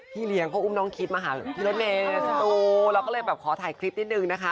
เลี้ยงเขาอุ้มน้องคิดมาหาพี่รถเมย์สตูเราก็เลยแบบขอถ่ายคลิปนิดนึงนะคะ